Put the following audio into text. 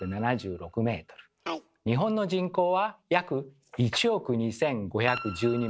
日本の人口は約１億２，５１２万人。